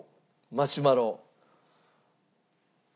マシュマロ？